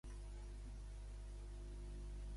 Crambidae és un gènere d'arnes de la família Apogeshna.